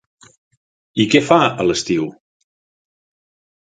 I què fa a l'estiu?